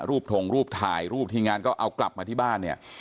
ถงรูปถ่ายรูปทีมงานก็เอากลับมาที่บ้านเนี่ย